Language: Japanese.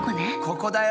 ここだよ！